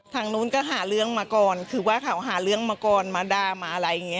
ทางนู้นก็หาเรื่องมาก่อนคือว่าเขาหาเรื่องมาก่อนมาด่ามาอะไรอย่างนี้